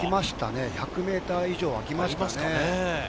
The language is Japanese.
１００ｍ以上はあきましたね。